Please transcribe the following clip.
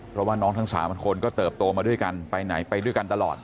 เพราะว่าน้องทั้ง๓คนก็เติบโตมาด้วยกันไปไหนไปด้วยกันตลอด